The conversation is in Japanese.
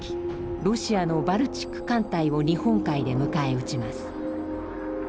ロシアのバルチック艦隊を日本海で迎え撃ちます。